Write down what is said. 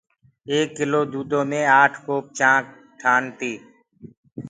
ايڪ ڪلو دودو مي آٺ ڪوپ چآنٚه ٺآن تي